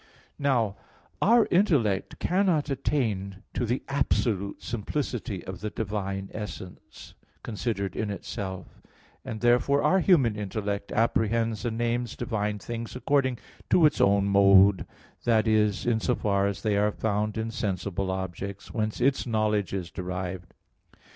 Now, our intellect cannot attain to the absolute simplicity of the divine essence, considered in itself, and therefore, our human intellect apprehends and names divine things, according to its own mode, that is in so far as they are found in sensible objects, whence its knowledge is derived.